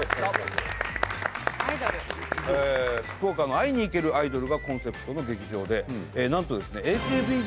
福岡の「会いに行けるアイドル」がコンセプトの劇場でなんとですねえっ？